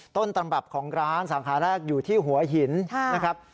ต้นตำรับของร้านสาขาแรกอยู่ที่หัวหินนะครับ